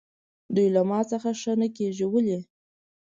دوی له ما څخه ښه نه کېږي، ولې؟